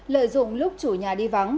lợi dụng lúc chủ nhà đi vắng